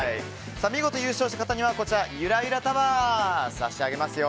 見事優勝した方にはゆらゆらタワー差し上げますよ。